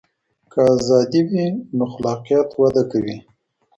که ازادي وي نو خلاقیت وده کوي.